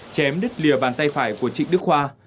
chém đứt lìa bàn tay phải của trịnh đức khoa